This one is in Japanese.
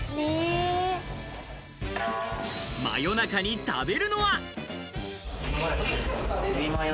真夜中に食べるのは。